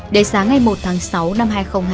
đến sáng ngày một tháng sáu năm hai nghìn hai mươi